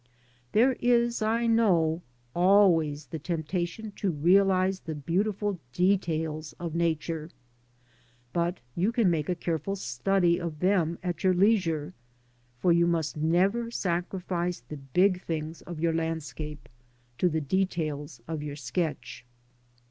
There is, I know, always the temptation to realise the beautiful details of Nature, but you can make a careful study of them at your leisure, for you must never sacrifice the big things of your landscape to the details of your sketch.